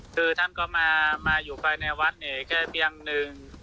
คือท่านก็มาอยู่ภายในวัดเนี่ยแค่เตียงหนึ่ง